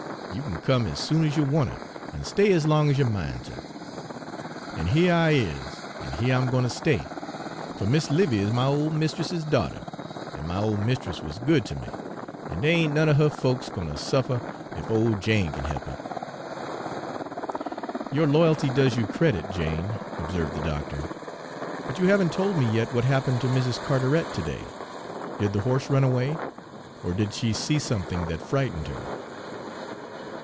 You kin come ez soon ez you wanter an' stay ez long ez you mineter.' "An hyuh I is, an' hyuh I'm gwine ter stay. Fer Mis' 'Livy is my ole mist'ess's daughter, an' my ole mist'ess wuz good ter me, an' dey ain' none er her folks gwine ter suffer ef ole Jane kin he'p it." "Your loyalty does you credit, Jane," observed the doctor; "but you haven't told me yet what happened to Mrs. Carteret to day. Did the horse run away, or did she see something that frightened her?"